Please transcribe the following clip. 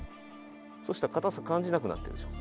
そしたら硬さ感じなくなってるでしょ？